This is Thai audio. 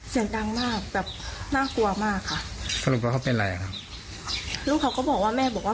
เสียงดังมากแบบน่ากลัวมากค่ะ